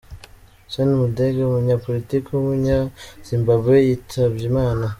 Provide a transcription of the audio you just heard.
Stan Mudenge, umunyapolitiki w’umunyazimbabwe yitabye Imana.